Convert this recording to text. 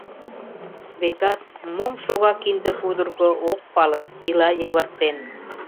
Векат, мом шога кинде пудырго Ок пале, ила йывыртен.